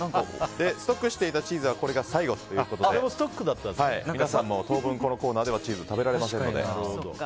ストックしていたチーズはこれが最後ということで皆さんも当分このコーナーではチーズ食べられません。